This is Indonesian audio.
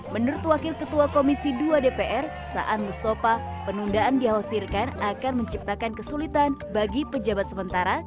menurut wakil ketua komisi dua dpr saan mustafa penundaan dikhawatirkan akan menciptakan kesulitan bagi pejabat sementara